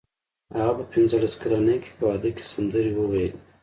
هغه په پنځلس کلنۍ کې په واده کې سندرې وویلې